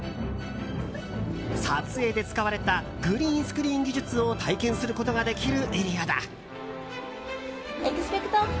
撮影で使われたグリーンスクリーン技術を体験することができるエリアだ。